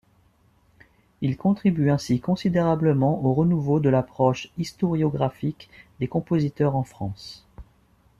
Il contribue ainsi considérablement au renouveau de l’approche historiographique des compositeurs en France.